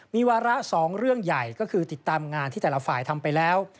มีวาระ๒เรื่องใหญ่ก็คือติดตามงานที่แต่ละฝ่ายทำไปแล้ว